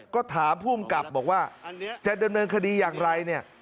ก็ถามภูมิกรรป์บอกว่าจะดำเนินคดีอย่างไร